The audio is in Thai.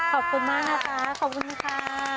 ขอบคุณมากนะคะขอบคุณค่ะ